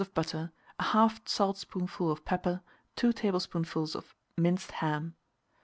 of butter, 1/2 saltspoonful of pepper, 2 tablespoonfuls of minced ham.